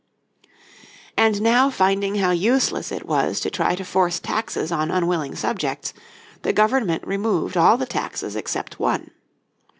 And now finding how useless it was to try to force taxes on unwilling subjects, the Government removed all the taxes except one.